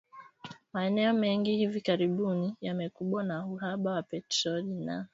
Maeneo mengi hivi karibuni yamekumbwa na uhaba wa petroli na